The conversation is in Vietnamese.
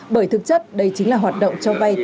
bởi thực chất đây chính là hoạt động